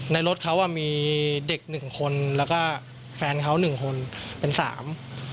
รถเขาอ่ะมีเด็กหนึ่งคนแล้วก็แฟนเขาหนึ่งคนเป็นสาม